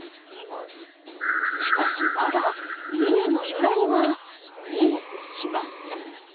しかしまだ三重の由来は見えてきません。